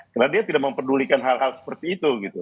karena dia tidak mempedulikan hal hal seperti itu